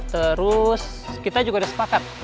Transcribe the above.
terus kita juga udah sepakat